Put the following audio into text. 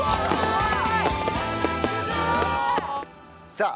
さあ。